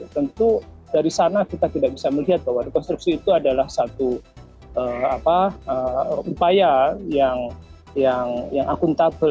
tentu dari sana kita tidak bisa melihat bahwa rekonstruksi itu adalah satu upaya yang akuntabel